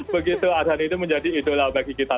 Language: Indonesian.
begitu adhan itu menjadi idola bagi kita